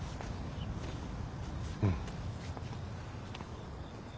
うん。